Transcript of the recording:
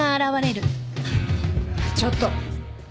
・ちょっと。